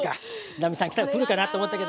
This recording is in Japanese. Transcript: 奈実さん来たら来るかなと思ったけど。